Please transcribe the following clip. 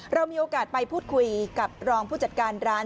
เรามีโอกาสไปพูดคุยกับรองผู้จัดการร้าน